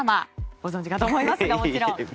ご存じかと思いますがもちろん。